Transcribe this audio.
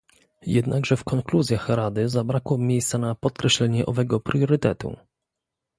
Jednakże w konkluzjach Rady zabrakło miejsca na podkreślenie owego priorytetu